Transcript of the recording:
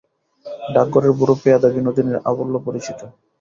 ডাকঘরের বুড়ো পেয়াদা বিনোদিনীর আবাল্যপরিচিত।